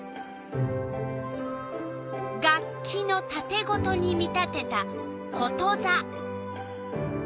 楽器のたてごとに見立てたことざ。